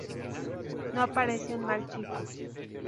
no parece un mal chico